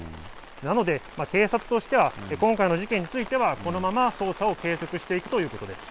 なので、警察としては、今回の事件については、このまま捜査を継続していくということです。